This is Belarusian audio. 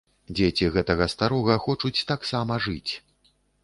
Дзеці гэтага старога хочуць таксама жыць.